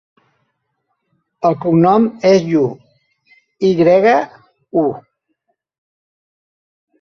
El cognom és Yu: i grega, u.